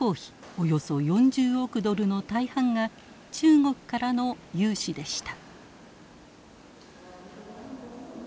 およそ４０億ドルの大半が中国からの融資でした。